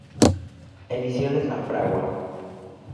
Ediciones La Fragua.